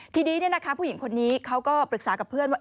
ทีนี้ผู้หญิงคนนี้เขาก็ปรึกษากับเพื่อนว่า